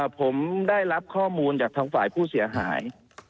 ผมได้รับข้อมูลจากทางฝ่ายผู้เสียหาย